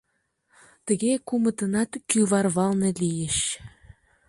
Тыге кумытынат кӱварвалне лийыч.